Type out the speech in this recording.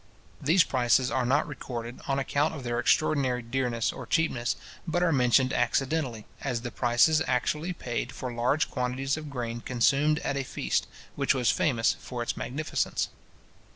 These prices are not recorded, on account of their extraordinary dearness or cheapness, but are mentioned accidentally, as the prices actually paid for large quantities of grain consumed at a feast, which was famous for its magnificence.